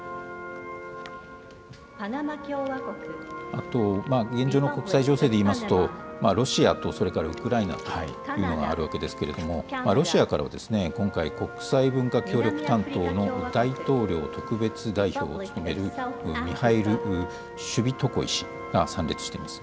あと、現状の国際情勢でいいますと、ロシアと、それからウクライナというのがあるわけですけれども、ロシアからは、今回、国際文化協力担当の大統領特別代表を務めるミハエル・シュビトコイ氏が参列しています。